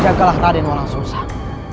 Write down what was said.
jagalah taden walau susah